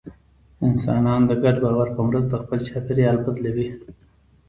انسانان د ګډ باور په مرسته خپل چاپېریال بدلوي.